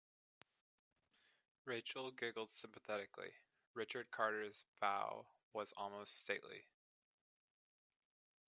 Rachael giggled sympathetically; Richard Carter's bow was almost stately.